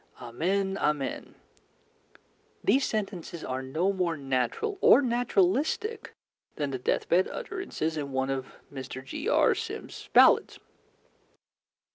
Amen, Amen," these sentences are no more natural or naturalistic than the death bed utterances in one of Mr. G.R. Sims's ballads.